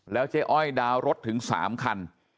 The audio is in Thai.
เจ๊อ้อยดาวรถถึง๓คัน